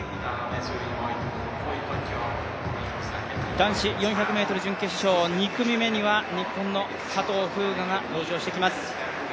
男子４００ｍ準決勝、２組目には日本の佐藤風雅が登場してきます。